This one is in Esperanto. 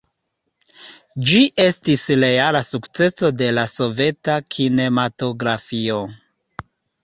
Ĝi estis reala sukceso de la soveta kinematografio.